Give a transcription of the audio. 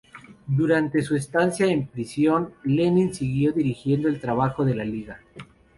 Durante su estancia en prisión, Lenin siguió dirigiendo el trabajo de la Liga.